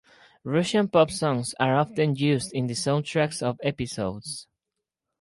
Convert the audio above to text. Russian pop songs are often used in the soundtracks of episodes.